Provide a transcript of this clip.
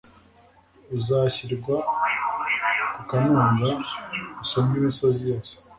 uzashyirwa ku kanunga usumbe imisozi yose